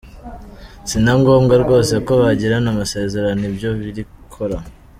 Si na ngombwa rwose ko bagirana amasezerano, ibyo birikora.